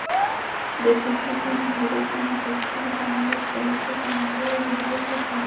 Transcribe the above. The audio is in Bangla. বেশ কিছুদিন ধরেই শোনা যাচ্ছিল, বাংলাদেশের ছবিতে গান গাইবেন ভারতের সংগীতশিল্পী অরিজিৎ সিং।